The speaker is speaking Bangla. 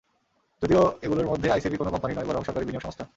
যদিও এগুলোর মধ্যে আইসিবি কোনো কোম্পানি নয়, বরং সরকারি বিনিয়োগ সংস্থা।